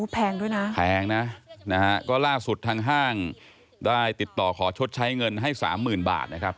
แพงด้วยนะแพงนะนะฮะก็ล่าสุดทางห้างได้ติดต่อขอชดใช้เงินให้สามหมื่นบาทนะครับ